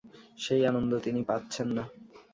সেই আনন্দ তিনি পাচ্ছেন না।